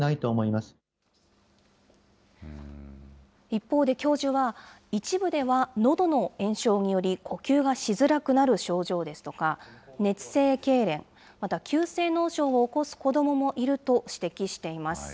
一方で教授は、一部ではのどの炎症により、呼吸がしづらくなる症状ですとか、熱性けいれん、また急性脳症を起こす子どももいると指摘しています。